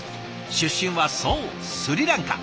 出身はそうスリランカ。